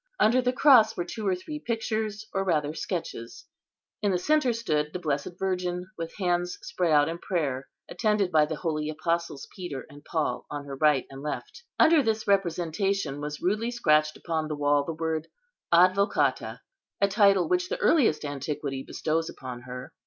Under the cross were two or three pictures, or rather sketches. In the centre stood the Blessed Virgin with hands spread out in prayer, attended by the holy Apostles Peter and Paul on her right and left. Under this representation was rudely scratched upon the wall the word, "Advocata," a title which the earliest antiquity bestows upon her.